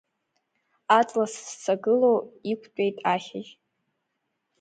Аҵла сызҵагылоу иқәтәеит ахьажь.